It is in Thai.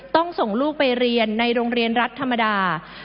ส่งลูกไปเรียนในโรงเรียนรัฐธรรมดา